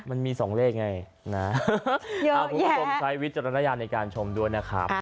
มันมี๒เหรคไงแล้วผมจะใช้วิจารณญาณและชมด้วยนะครับ